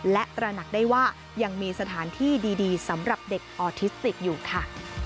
และตระหนักได้ว่ายังมีสถานที่ดีสำหรับเด็กออทิสติกอยู่ค่ะ